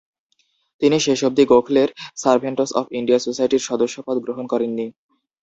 তিনি শেষ অবধি গোখলের সারভেন্টস অফ ইন্ডিয়া সোসাইটির সদস্যপদ গ্রহণ করেননি।